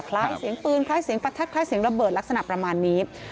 คล้ายเสียงปืนคล้ายเสียงประทัดคล้ายเสียงระเบิดลักษณะประมาณนี้